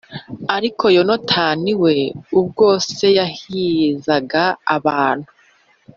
Ariko yonatani we ubwo se yarahizaga abantu